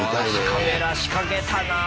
カメラ仕掛けたなぁ！